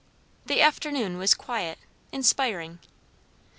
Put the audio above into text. The afternoon was quiet inspiring.